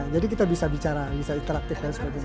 jadi kita bisa bicara bisa interactif